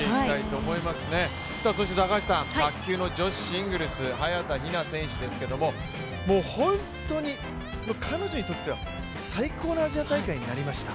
そして卓球の女子シングルス早田ひな選手ですけれども本当に彼女にとっては最高のアジア大会になりましたね。